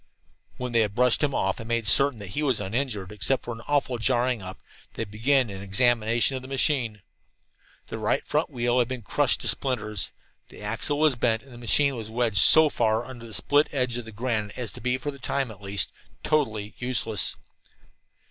When they had brushed him off and made certain that he was uninjured, except for an awful jarring up, they began an examination of the machine. The right front wheel had been crushed to splinters, the axle was bent, and the machine was wedged so far under a split edge of the granite as to be, for the time at least, totally useless.